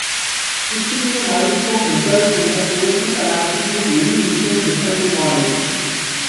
Skipping a milestone results in a safety penalty to any mission depending on it.